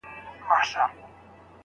د فقهاوو په اتفاق ميرمن کله طلاقه کیږي؟